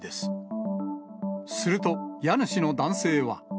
すると、家主の男性は。